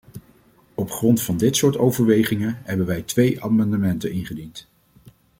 Op grond van dit soort overwegingen hebben wij twee amendementen ingediend.